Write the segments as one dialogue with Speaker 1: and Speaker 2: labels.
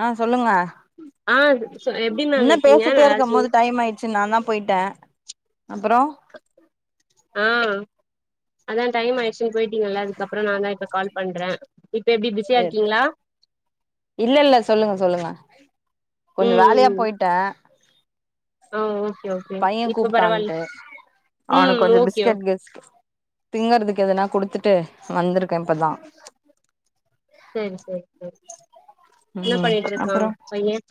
Speaker 1: ஆஹ் சொல்லுங்க
Speaker 2: ஆ சொ எப்டி மேம்
Speaker 1: என்ன
Speaker 2: இருக்கீங்க
Speaker 1: பேசிட்டே
Speaker 2: நல்லா
Speaker 1: இருக்கும்
Speaker 2: இருக்கீங்
Speaker 1: போது டைம் ஆயிச்சு சு நா தான் போயிட்டே அப்புறோ
Speaker 2: ஆஹ் அதான் டைம்யிச்சு போயிட்டீங்கல்ல அதுக்கப்புறோ நா தா இப்ப கால் பண்றேன் இப்ப எப்டி பிஸியா இருக்கீங்களா
Speaker 1: இல்ல இல்ல சொல்லுங்க சொல்லுங்க கொஞ்சோம் வேலையா
Speaker 2: ம்
Speaker 1: போயிட்டே
Speaker 2: ஆ ஓகே ஓகே
Speaker 1: பையன்
Speaker 2: இப்ப பரவாயில்
Speaker 1: கூப்பிட்டான்ட்டு
Speaker 2: ம்
Speaker 1: அவனுக்கு கொஞ்சோ
Speaker 2: ஓகே ஓ
Speaker 1: பிஸ்கட் திங்கறதுக்கு எதனா குடுத்துட்டு விட்டு வந்திருக்கேன் இப்பதா
Speaker 2: சேரி சேரி சேரி என்ன
Speaker 1: ம்
Speaker 2: பண்ணிட்டு
Speaker 1: அப்புறோ
Speaker 2: இருக்கான் பையன்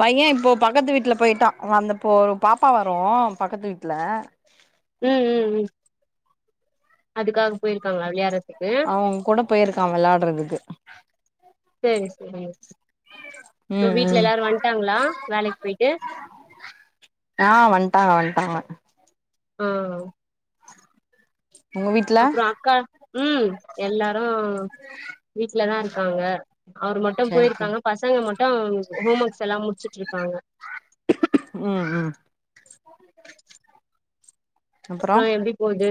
Speaker 1: பையன் இப்போ பக்கத்து வீட்டுல போயிட்டான் அந்தப்போ ஒரு பாப்பா வரும் பக்கத்து வீட்டு்ல
Speaker 2: உம் உம் உம் அதுக்காக போயிருக்காங்களா விளையாறத்
Speaker 1: அவுங்க கூட போயிருக்கா வெளாட்றதுக்கு
Speaker 2: செரி செரி அப்றோ
Speaker 1: உம்
Speaker 2: வீட்ல
Speaker 1: உம்
Speaker 2: எல்லாரு வந்ட்டாங்களா வேலைக்கு போயிட்டு
Speaker 1: ஆஹ் வன்டாங்க வன்டாங்க
Speaker 2: ஆஹ்
Speaker 1: உங்க வீட்ல
Speaker 2: அப்றோ அக்கா உம் எல்லாரு வீட்டுலதா இரு க்காங்க அவர் மட்டும்
Speaker 1: சேரி சேரி
Speaker 2: போயிருக்காங்க பசங்க மட் டான் ஹோம் ஒர்க்ஸ் ல்லா முடிச்சிட்ருக்காங்க
Speaker 1: உம் உம்
Speaker 2: அப்றோ எப்டி போது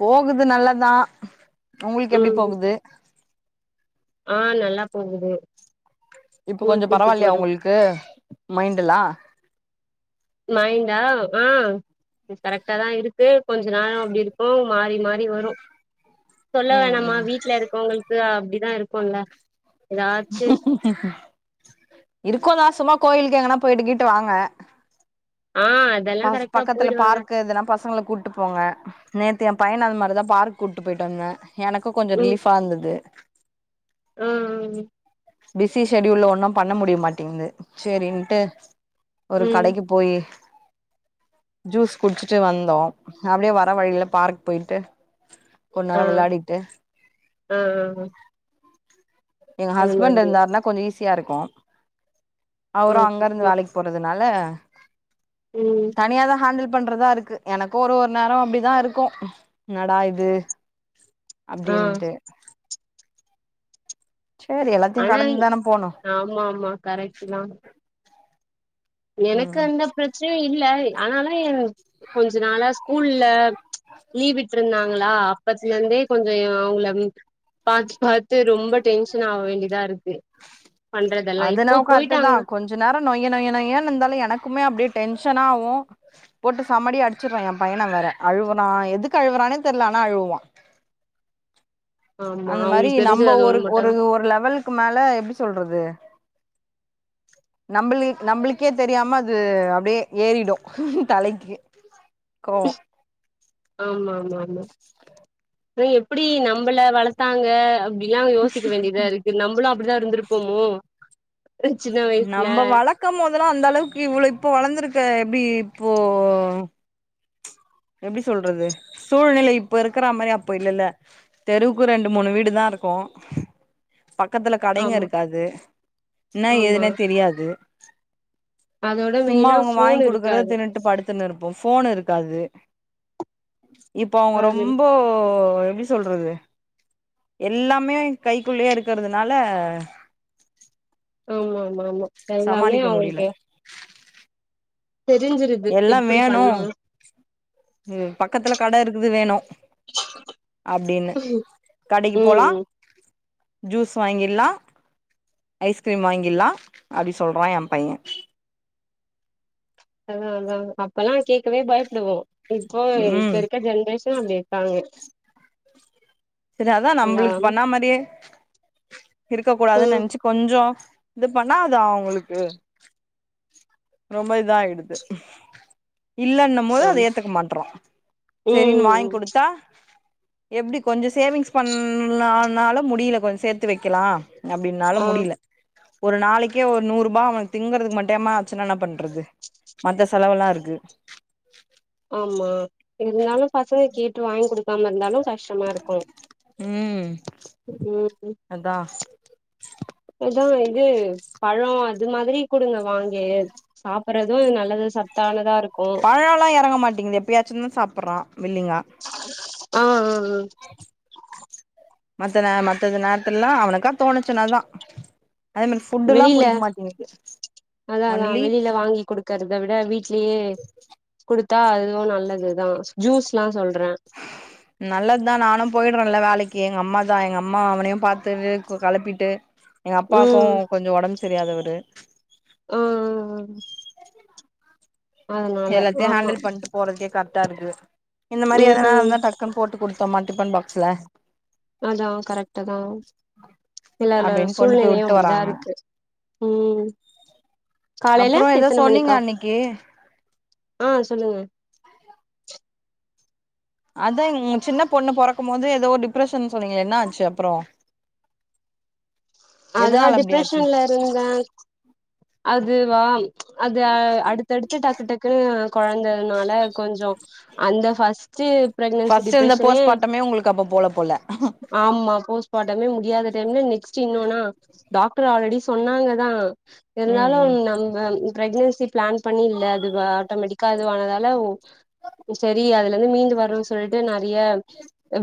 Speaker 1: போகுது நல்லாதா உங்களுக்கு எப்டி போகுது
Speaker 2: ஆஹ் நல்லா போகுது
Speaker 1: இப்ப
Speaker 2: ஸ்கூல்
Speaker 1: கொஞ்ச
Speaker 2: கூட்டு
Speaker 1: பரவால்லையா
Speaker 2: போற
Speaker 1: உங்களுக்கு மைண்ட்டெல்லா
Speaker 2: மைண்டா ஆஹ் கரெக்டா தா இருக்கு கொஞ்ச நேரம் அப்டி இருக்கு மாறி மாறி வரு சொல்ல
Speaker 1: ம்
Speaker 2: வேணாமா
Speaker 1: ம்
Speaker 2: வீட்லருக்கவுங்களுக்கு அப்டிதா இருக் கோல்ல
Speaker 1: இருக்கூ தா சும்மா கோயிலுக்கு எங்கன்னா போயிட்டுகீட்டு வாங்க
Speaker 2: ஆ அதெல்லா
Speaker 1: பஸ்
Speaker 2: கரெக்டா
Speaker 1: பக்கத்துல
Speaker 2: போயிடுவாங்க
Speaker 1: பார்க்கு இதெல்லா பசங்கள கூட்டு போங்க நே து ஏ பையன அந்த மாரி தா பார்க் கூட்டு போயிட்டு வந்தே எனக்கு கொஞ்சொ ரிலீஃபாருந்துது
Speaker 2: அ ஆ ஆ
Speaker 1: பிஸி ஷெட்யுல்ல ஒன்னூ பண்ண முடியமாட்டிங்குது சேரின்ட்டு ஒரு
Speaker 2: ம்
Speaker 1: கடைக்கு போயி ஜூஸ் குட்ச்சிட்டு வந்தோ அப்டியே வர வழியில பார்க் போயிட்டு கொஞ் நேரோ
Speaker 2: ஆ
Speaker 1: விளாடிட்டு
Speaker 2: ஆ ஆ ஆ.
Speaker 1: எங்க
Speaker 2: அந்த
Speaker 1: ஹஸ்பண்ட்
Speaker 2: மாதிரி
Speaker 1: இருந்தாருனா கொஞ்ச ஈஸ் யாருக்கூ அவரூ
Speaker 2: ஓகே
Speaker 1: அங்கருந்து
Speaker 2: ஓ
Speaker 1: வேலைக்கு போறதுனால ஹ
Speaker 2: ம்
Speaker 1: தனியாதா ஹேண்ட்ல் பண்றதாருக்கு எனக்கூ ஒர் ஒரு நேரோ அப்டிதாருக்கூ என்னடா இது
Speaker 2: ஆ
Speaker 1: அப்டின்ட்டு சேரி எல்லாத்தையு
Speaker 2: ஆனா இங்
Speaker 1: கடந்துதான போனு
Speaker 2: ஆமாமா கரெட்டுதா எனக்கு
Speaker 1: ம்
Speaker 2: அந்த ப்ரச்னையூ இல்ல அத்னால என் கொஞ்ச நாளா ஸ் கூல்ல லீவ் விட்ருந்தாங் லா அப்பத்துலேந்தே கொஞ்சயோ அவங்கள பாத் பாத்து ரொம்ப டென்ஷன் ஆக வேண்டியதாருக்கு
Speaker 1: அதென்னவோ கரெட்டு தா கொஞ்ச நேரோ நொய் நொய் நொயின் ருந்தாலூ எனக்குமே அப்படியே டென்ஷனாவூ போட்டு சமடி அடிச்சிருவே ஏ பையன வேற அழுவுறா எதுக்கு அழுவுறானே தெரில ஆனா அழுவுவா
Speaker 2: ஆமா
Speaker 1: அந்த மாரி
Speaker 2: அவங்களுக்கு தெரிஞ்சது
Speaker 1: நம்ம
Speaker 2: அது
Speaker 1: ஒர்
Speaker 2: ஒண்ணு
Speaker 1: ஒர்
Speaker 2: மட்டுந்தா
Speaker 1: ஒரு லெவலுக்கு மேல எப்டி சொல்றது நம்மளீ நம்மளுக்கே தெரியாம அது அப்டியே ஏறிடூ தலைக்கு கோவோ
Speaker 2: ஆமா ஆமாமா து எப்டி நம்மள வளத்தாங்க அப் டிலா யோசிக்க வேண்டியதாருக்கு நம்மளூ அப் அப்படிதான் இருந்திருப்போமோ சின்ன வயசுல
Speaker 1: நம்ம வளர்க்க போதெல்லாம் அந்த அளவுக்கு இவ்ளவு இப்ப வளர்ந்திருக்க எப்படி அப்போ எப்படி சொல்றது சூழ்நிலை இப்ப இருக்கிற மாதிரி அப்போ இல்லல்ல தெருவுக்கு ரெண்டு மூணு வீடு தான் இருக்கும் பக்கத்துல கடைங்க
Speaker 2: ஆமா
Speaker 1: இருக்காது என்ன
Speaker 2: ஆமா
Speaker 1: ஏதுனே தெரியாது
Speaker 2: அதோட
Speaker 1: சும்மா
Speaker 2: மெயினா
Speaker 1: அவங்க
Speaker 2: ஃபோன்
Speaker 1: வாங்கி குடுக்குறதை
Speaker 2: இருக்காது
Speaker 1: தின்னுட்டு படுத்துன்னு இருப்போம் போன் இருக்காது ப்ச் இப்போ அவங்க
Speaker 2: அது
Speaker 1: ரொம்போ இப்போ எப்டி சொல்றது எல்லாமே கைக்குள்ளேயே இருக்கிறதுனால
Speaker 2: ஆமா ஆமா ஆமா எல்லாமே அவங்களுக்கு தெரிஞ்சிருது
Speaker 1: எல்லாம்
Speaker 2: எப்டி
Speaker 1: வேணும்
Speaker 2: பண்ணணு
Speaker 1: பக்கத்துல கடை இருக்கு இது வேணும் அப்படின்னு கடைக்கு
Speaker 2: ம்
Speaker 1: போலாம்
Speaker 2: ம்
Speaker 1: ஜூஸ் வாங்கிடலாம் ஐஸ்கிரீம் வாங்கிடலாம் அப்படி சொல்றான் என் பையன்
Speaker 2: அதான் அதான் அப்பல்லாம் கேட்கவே பயப்படுவோம் இப்போ இப்ப
Speaker 1: ம்
Speaker 2: இருக்க ஜென்ரேஷன் அப்படி இருக்காங்க
Speaker 1: சரி அதான் நம்மளுக்கு
Speaker 2: எல்லாம்
Speaker 1: பண்ண மாதிரியே இருக்க கூடாதுன்னு
Speaker 2: ம்
Speaker 1: நினைச்சு கொஞ்சம் இது பண்ணாதா அது உங்களுக்கு ரொம்ப இதா ஆயிடுது இல்லைன்னும் போது
Speaker 2: அம்
Speaker 1: அதை ஏத்துக்க மாட்டறோம் சரினு வாங்கி
Speaker 2: ம்
Speaker 1: கொடுத்தா எப்படி கொஞ்சம் சேவிங்ஸ் பண்ணலாம் பன்னாலும் முடியல கொஞ்சம் சேர்த்து வைக்கலாம் அப்படின்னால
Speaker 2: ஆ
Speaker 1: முடியல ஒரு நாளைக்கே ஒரு நூறு ரூபாய் அவனுக்கு திங்குறதுக்கு மட்டும்மா அச்சன என்ன பண்றது மத்த செலவுல்லாம் இருக்கு
Speaker 2: ஆமா இருந்தலும் பசங்க கேட் வாங்கி கொடுக்காம இருந்தாலும் கஷ்டமா இருக்கும்
Speaker 1: ம்
Speaker 2: உம் உம்
Speaker 1: அதா
Speaker 2: அததான் இது பழம் அது மாதிரி கொடுங்க வாங்கி சாப்படுறதும் நல்லது சத்தானதா இருக்கும்
Speaker 1: பழம் எல்லாம் இறங்க மாட்டேங்குது எப்பயாச்சும் தா சாப்பிடுரா
Speaker 2: உம் உம் ம்
Speaker 1: மத்த நே மத்தது நேரத்துல எல்லாம் அவனுக்கா தோணுச்சுனாதா அதே மாரி ஃபுட்டுல்லா
Speaker 2: வெளில
Speaker 1: புடிக்க மாட்டேங்குது
Speaker 2: அதா அதா
Speaker 1: ஒன்லி
Speaker 2: வெளியில வாங்கி கொடுக்கறத விட வீடலயே குடுத் தா அதுவும் நல்லதுதா ஜூஸ் எல்லாம் சொல்
Speaker 1: நல்லதுதா நானும் போயிடுறேன்ல வேலைக்கு எங்க அம்மா தா எங்க அம்மா அவனையும் பாத்துட்டு கலப்பிட்டு எங்க
Speaker 2: ம்
Speaker 1: அப்பாவுக்கும் கொஞ்சம் உடம்பு சரியாதவர்
Speaker 2: ஆ அ ஆ அதனால
Speaker 1: எல்லத்தே
Speaker 2: ஆமா
Speaker 1: ஹண்டல் பண்டு போறதகே கரெக்ட் இருக்கு இந்த மாதிரி எதனா
Speaker 2: ம்
Speaker 1: இருந்தா டக்கன் போட்டு குடுத்து மாட்டப்ப டிபன் பாக்ஸ்ல
Speaker 2: அதா கரெக்டாதா இல்ல இல்ல
Speaker 1: அப்டின்னு கொண்டு போய்
Speaker 2: சூழ்நிலையும்
Speaker 1: விட்டு
Speaker 2: அப்படிதா
Speaker 1: வராங்க
Speaker 2: இருக்கு உம் காலைல
Speaker 1: அப்புறோ ஏதோ
Speaker 2: எத்தன
Speaker 1: சொன்னீங்க
Speaker 2: மணிக்கா
Speaker 1: அன்னைக்கு
Speaker 2: ஆ சொல்லுங்க
Speaker 1: அதா சின்ன பொண்ணு பொறக்கும் போது ஏதோ டிப்ரஷன் சொன்னீங்க என்ன ஆச்சு அப்புறம்
Speaker 2: அதா டிப்ரஷன்ல இருந்த அதுவா அது அடுத்தடுத்து டக்கு டக்கு கொழந்தனால கொஞ்ச அந்த ஃபர்ஸ்ட்டூ பிரெக்னன்சி
Speaker 1: ஃபர்ஸ்ட் இருந்த
Speaker 2: டிப்ரஷனே
Speaker 1: போஸ்ட்மார்ட்டமே உங்களுக்கு அப்ப போல போல
Speaker 2: ஆமா போஸ்ட்பாட்டமே முடியாத டைம்ல ஸ்சி இன்நோன டாக்டர் ஆல்ரெடி சொன்னாங்கதான்
Speaker 1: ம்
Speaker 2: இருந்தாலு
Speaker 1: ம்
Speaker 2: நம்ம பிரெக்னன்சி பிளான் பண்ணி இல்ல அதுவாட்டமெடிக்கா இதுவானதால ஒ சரி அதுலேந்து மீண்டு வரணுனு சொல்ட்டு நறைய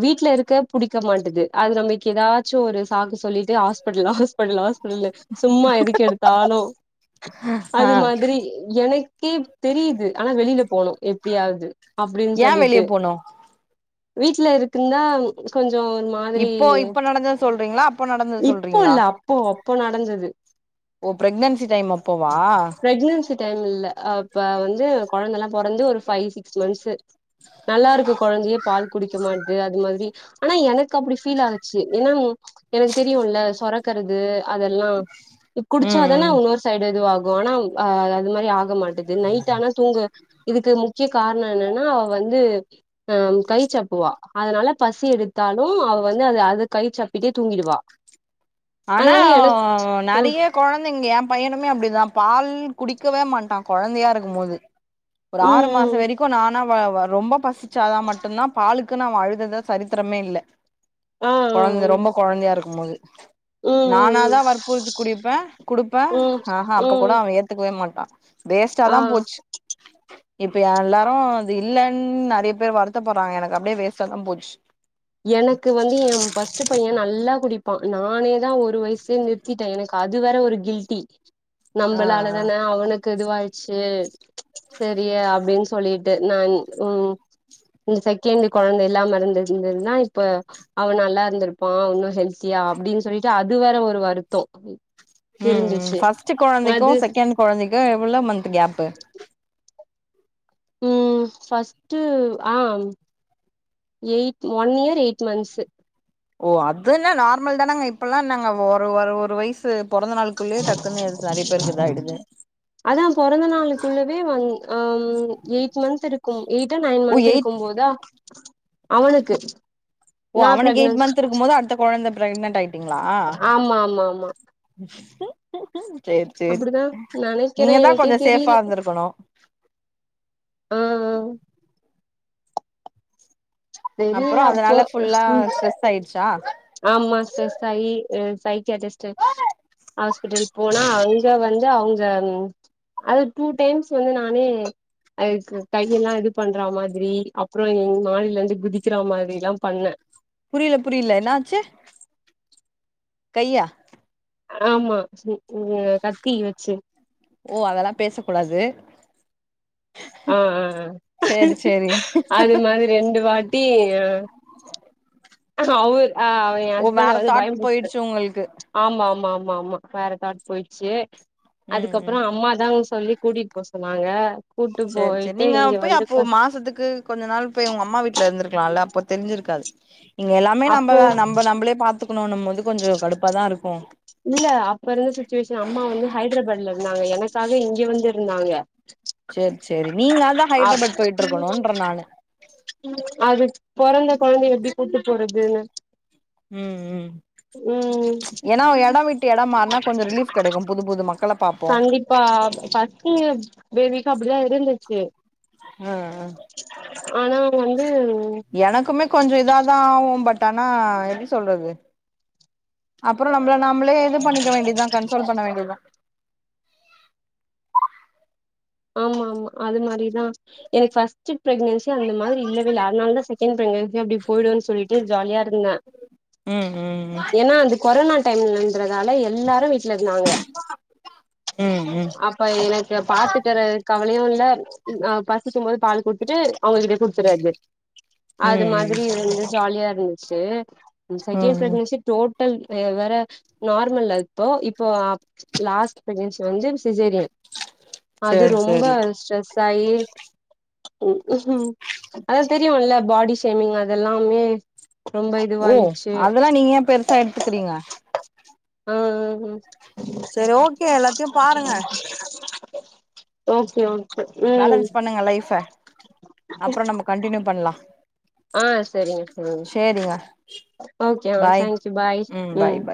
Speaker 2: வீட்ல இருக்கப் புடிக்க மாட்டது அது நம்லுக்கு எதாச்சு ஒரு சாக்கு சொல்லிட்டு ஹாஸ்பிடல் ஹாஸ்பிடல் ஹாஸ்பிடல் சும்மா எதுக்கு எடுத்தாலும்
Speaker 1: ஆ
Speaker 2: அது மாதிரி எனக் கீப் தெரியுது ஆனா வெளியில போனும் எப்டியாது
Speaker 1: ஏன் வெளிய போனும்
Speaker 2: வீட்ல இருக்குன்னா கொஞ் கொஞ்ச ஒரு மாதிரி
Speaker 1: இப்போ இப்ப நடந்தது சொல்றீங்களா அப்போ நடந்தது
Speaker 2: இப்போ
Speaker 1: சொல்றீங்களா
Speaker 2: இல்ல அப்போ அப்போ நடந்தது
Speaker 1: ஓ பிரக்னச்
Speaker 2: பிரெக்னன்சி டைம் இல்ல அப்ப வந்து குழந்தலா பொறந்து ஒரு ஃவைவ் சிக்ஸ் மந்த்ஸ்ஸு நல்லா இருக்க கொழந்தயெ பால் குடிக்குமா அது மாதிரி ஆனா எனக்கு அப்டி ஃபீல் ஆனுச்சி என்னன் எனக்கு தெரியும்ல சொரக்குறது அதெல்லாம் இ
Speaker 1: ம்
Speaker 2: குடிச்சாதானே
Speaker 1: ம்
Speaker 2: இன்னொரு சைடு இது ஆகும் ஆனா அது மாதிரி ஆக ங்க மாட்டது நைட் ஆனா தூங்க இதுக்கு முக்கிய காரணம் என்னன்னா அவ வந்து அஹ் கை சப்புவா அதனால பசி எடுத்தாலும் அவ வந்து அத அத கை சப்பிட்டு தூங்கிடுவா
Speaker 1: ஆனா
Speaker 2: அதனால எனக்கு ம்
Speaker 1: நறைய கொழந்தைங்க எம் பையனுமே அப்படிதான் பால் குடிக்கவே மாட்டான் கொழந்தையா இருக்கும் போது ஒரு ஆறு
Speaker 2: ம்
Speaker 1: மாசம்
Speaker 2: ம்
Speaker 1: வரைக்கும் நானா அவ வ ரொம்ப பசிச்சாதான் மட்டும்தான் பாலுக்குனு அவன் அழுதுத சரித்திரமே இல்ல
Speaker 2: ஆ ஆ
Speaker 1: கொழந்த ரொம்ப கொழந்தையா இருக்கும்போது
Speaker 2: ம் ம்
Speaker 1: நான
Speaker 2: ம்
Speaker 1: தான் வற்புறுத்தி குடிப்பேன் குடுப்பேன்
Speaker 2: ம்
Speaker 1: ஆஹஹா அப்ப
Speaker 2: ம்
Speaker 1: கூட
Speaker 2: ம்
Speaker 1: அவன் ஏத்துக்கவே மாட் [unintelligible]
Speaker 2: ஆ
Speaker 1: வேஸ்ட்டாதான் போச்சு இப்ப யல்லாரும் இது இல்லலைன்னு நறைய பேர் வருத்த படுறாங்க எனக்கு அப்படியே வேஸ்டாதா போச்சு
Speaker 2: எனக்கு வந்து என் பர்ஸ்ட் பையன் நல்லா குடிப் ப்பா நானே தா ஒரு வயசே நிறுத்திட்டேன் எனக்கு அது வேற ஒரு கில்ட்டி
Speaker 1: ஆ ஆ
Speaker 2: நம்மளாலதானே அவனுக்கு இதுவாய் செர் சரிய அப்படின்னு சொல்லிட்டு நான் உம் இந்த செகண்டு் குழந்த இல்லாம இருந்துருந்துருந் நா இப்ப அவன் நல்லா இருந்திருப்பான் ஒன்னும் ஹெல்த்தியா அப்படின்னு சொல்லிட்டு அது வேற ஒரு வருத்தம்
Speaker 1: ம் ம் ஃபர்ஸ்ட்
Speaker 2: அது
Speaker 1: குழந்தைக்கும் செகண்ட் குழந்தைக்கும் எவ்வளவு மந்த் கேப்பு
Speaker 2: ம் ஃபர்ஸ்ட் ஆ eight one year eight months
Speaker 1: ஓ அதுன நார்மல் தானங்க இப்பல்லாம் என்னங்க ஒர ஒரு ஒரு வயசு பொறந்த நாளுக்குள்ளயே டக்குன்னு நெறைய பேருக்கு இதாயிடுது
Speaker 2: அதா பொறந்த நாளுக்குள்ளவே வந் அம் எயிட் மந்த்திருக்கும் எய்ட் ஆ நைன்
Speaker 1: ஓ எயிட்
Speaker 2: மந்த்த்திருக்கும்போதா அவனுக்கு
Speaker 1: ஓ
Speaker 2: நா
Speaker 1: அவனுக் எய்ட்
Speaker 2: பிரெக்னன்ட்
Speaker 1: மந்த்திருக்கும்போது அடுத்த கொழந்த பிரெக்னென்ட் ஆய்ட்டிங்ளா
Speaker 2: ஆமா ஆமா ஆமா
Speaker 1: சேரி சேரி
Speaker 2: அப்டிதா நெனைக்கிறே
Speaker 1: நீங்க தா
Speaker 2: எனக்கே
Speaker 1: கொஞ்ச சேஃபா
Speaker 2: தெரில
Speaker 1: இருந்திருக்கணு
Speaker 2: ஆ ஆ
Speaker 1: அப்புற
Speaker 2: தெரில அப்போ
Speaker 1: அதனால ஃபுல்லா
Speaker 2: ம்
Speaker 1: ஸ்ட்ரெஸ்ஸாயிட் ஷா
Speaker 2: ஆமா ஸ்ட்ரெஸ் அய் இ சைக்காட்டிஸ்ட்டு ஹாஸ்பிட்டல் போனா அங்க வந்து அவுங்க ம் அது டூ டைம்ஸ் வந்து நானே அதுக்கு கையெல்லா இது பண்ற மாதிரி அப்புற எங் மாடிலருந்து குதிக்கிற மாதிரில்லா பண்ண
Speaker 1: புரியல புரியல என்னாச்சு கையா
Speaker 2: ஆமா ம் ம் கத்தி வச்சு
Speaker 1: ஓ அதெல்லா பேச கூடாது
Speaker 2: ஆ ஆ ஆ
Speaker 1: சேரி
Speaker 2: அது மாதிரி ரெண்டு வாட்டி அவு ஆஹ் எ
Speaker 1: ஓ
Speaker 2: ஹஸ்பண்ட
Speaker 1: வேற
Speaker 2: வந்து
Speaker 1: தாட்
Speaker 2: பயமுருத்து
Speaker 1: போயிடுச்சு உங்களுக்கு
Speaker 2: ஆமா ஆமா ஆம் வாமா வேறக்காட் போயிட்ச்சு
Speaker 1: ம்
Speaker 2: அதுக்கப்பற
Speaker 1: ம்
Speaker 2: அம்மாதா சொல்லி கூட்டிட் போ சொன்னாங்க கூட்டு
Speaker 1: சேர் சேரி
Speaker 2: போயிட்டு
Speaker 1: நீங்க
Speaker 2: இங்க
Speaker 1: போய்
Speaker 2: வந்து
Speaker 1: அப்போ
Speaker 2: ப-
Speaker 1: மாசத்துக்கு கொஞ்ச நாள் போய் உங்க அம்மா வீட்ல இருந்திருக்கலால அப்ப தெரிஞ்சிருக்காது இங்க எல்லாமே
Speaker 2: அப்போ
Speaker 1: நம்பதா நம்ப நம்பளே பாத்துக்கணுனும் போது கொஞ்ச கடுப்பாதாருக்கு
Speaker 2: இல்ல அப்பருந்த சுச்சுவேஷன் அம்மா வந்து ஹைதராபாட்ல இருந்தாங் எனக்காக இங்க வந்திருந்தாங்க
Speaker 1: சேரி சேரி நீங்க தா
Speaker 2: அப்
Speaker 1: ஹைதராபாத் போயிட்ருக்கணுன்ற நானு
Speaker 2: அது பொறந்த கொழந்தை எப்டி கூப்ட்டு போறதுன்னு
Speaker 1: ம் ம்
Speaker 2: ம்
Speaker 1: ஏன்னா எடோ விட்டு எடோ மாறுனா கொஞ்சோ ரிலீஃப் கெடைக்கு புது புது மக்கள பாப்போ
Speaker 2: கண்டிப்பா ஃபஸ்ட்டு பேபி [unintelligible] இருந்துச்சு
Speaker 1: ஆஅ
Speaker 2: ஆனா வந்து
Speaker 1: எனக்குமே கொஞ்ச இதாதா ஆகும் பட் தனா எப்டி சொல்றது அப்பற நம்ள நம்மளே இது பண்ணிக்க வேண்டிதா கன்சோல் பண்ண வேண்டிதா
Speaker 2: ஆமா ஆமா அது மாரிதா எனக் ஃபஸ்ட்டு பிரெக்னென்சி அந்த மாதிரி இல்லவேல்ல அதுனாலதா செக்கென்ட் பிரெக்னென்சியு அப்டி போய்ருன் சொல்லிட்டு ஜாலியாருந்த
Speaker 1: ம் ம் ம்
Speaker 2: ஏனா அந்த கொரோனா டைம்ன்றதால எல்லாரு விட் இருந்தாங்க
Speaker 1: ம்
Speaker 2: அப்ப எனக்கு பாத் கவலையும் இல்ல பசிக்கும் போது பால் குடுத்துட்டு அவங்ககிட்யே குடுத்துறது அது
Speaker 1: ம் ம்
Speaker 2: மாதிரி இருந்து ஜாலியா இரு இருச்சு சகேண்ட்
Speaker 1: ம்
Speaker 2: ப்ரக்ன்ஸி டோட் டல்ல வேற நார்மல் அப்போ இப்போ லாஸ்ட் ப்ரக்ன்ஸி வந்து சிஜேரியன் அது
Speaker 1: சேரி
Speaker 2: ரொம்ப
Speaker 1: சேரி
Speaker 2: ஸ்ட்ர சாயி அத தெரியும் இல்ல பாடி ஷேமிங் அதெல்லாமே ரொம்ப
Speaker 1: ஓ
Speaker 2: இதுவாயிச்சு
Speaker 1: அதெல்லாம் நீங்க ஏன் பெருசா எடுத்துக்கிறீங்க
Speaker 2: ஹ ஹ ம்
Speaker 1: சரி ஓகே எல்லாத்தையும் பாருங்க
Speaker 2: ஓகே ஓ
Speaker 1: பேலன்ஸ் பண்ணுங்க லைஃப அப்புறம் நம்ம கண்டினியூ பண்லாம்
Speaker 2: ஆஹ் சரிங்க தோழி ஓகே அஹ்
Speaker 1: பாய்
Speaker 2: தேங்க்யூ பாய்
Speaker 1: ம் பாய்
Speaker 2: உம்
Speaker 1: பாய்